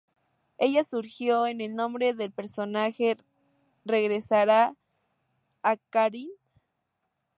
Ella sugirió que el nombre del personaje regresara a "Kathryn".